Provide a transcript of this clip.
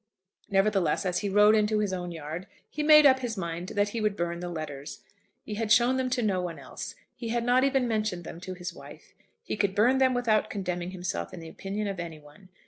Nevertheless as he rode into his own yard, he made up his mind that he would burn the letters. He had shown them to no one else. He had not even mentioned them to his wife. He could burn them without condemning himself in the opinion of any one.